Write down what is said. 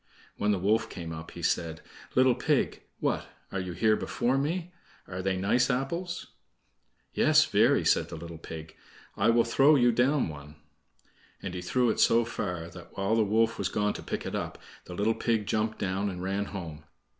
When the wolf came up he said: "Little pig, what! are you here before me? Are they nice apples?" "Yes, very," said the little pig. "I will throw you down one." And he threw it so far that, while the wolf was gone to pick it up, the little pig jumped down and ran home.